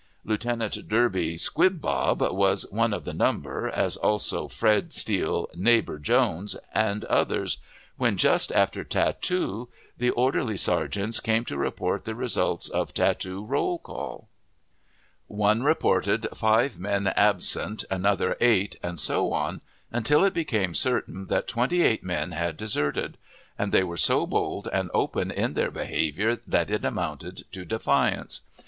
Lieutenant Derby, "Squibob," was one of the number, as also Fred Steele, "Neighbor" Jones, and others, when, just after "tattoo," the orderly sergeants came to report the result of "tattoo" roll call; one reported five men absent, another eight, and so on, until it became certain that twenty eight men had deserted; and they were so bold and open in their behavior that it amounted to defiance.